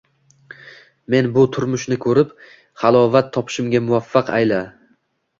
meni bu turmushni ko'rib, halovat topishimga muvaffaq ayla